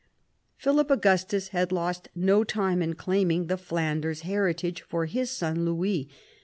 Philip Augustus had lost no time in claiming theV Flanders heritage for his son Louis.